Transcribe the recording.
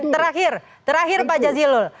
terakhir pak jazilul